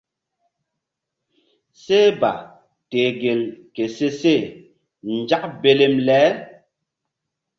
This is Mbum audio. Seh ba teh gel ke se she nzak belem le.